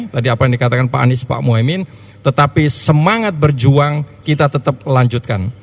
tadi apa yang dikatakan pak anies pak muhaymin tetapi semangat berjuang kita tetap lanjutkan